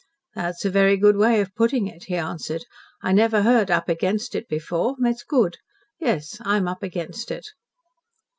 "That's a very good way of putting it," he answered. "I never heard 'up against it' before. It's good. Yes, I'm up against it.